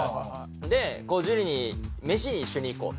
で樹に飯に一緒に行こうと。